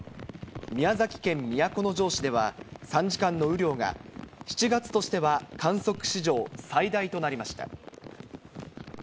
宮崎県都城市では、３時間の雨量が、７月としては観測史上最大となりました。